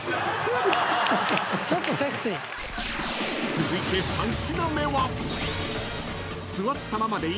［続いて３品目は］